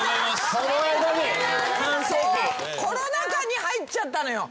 そうコロナ禍に入っちゃったのよ。